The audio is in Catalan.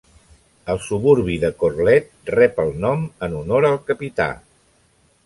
El suburbi de Corlette rep el nom en honor al capità.